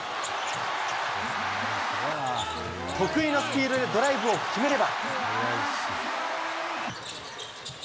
得意のスピードでドライブを決めれば。